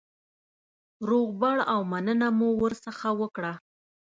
روغبړ او مننه مو ورڅخه وکړه.